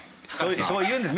そう言うんです。